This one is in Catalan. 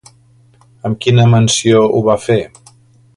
Amb quina menció ho va fer?